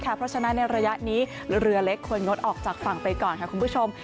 เพราะฉะนั้นในระยะนี้เรือเล็กควรงดออกจากฝั่งไปก่อนค่ะคุณผู้ชม